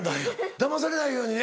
だまされないようにね。